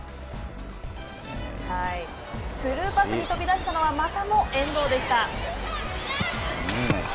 スルーパスに飛び出したのはまたも遠藤でした。